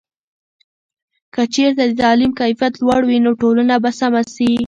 که چېرته د تعلیم کیفیت لوړ وي، نو ټولنه به سمه سي.